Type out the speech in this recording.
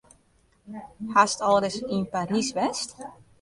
Hast al ris yn Parys west?